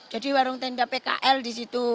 jadi warung tenda pkl di situ